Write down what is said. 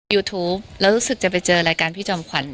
ยูทูปแล้วรู้สึกจะไปเจอรายการพี่จอมขวัญ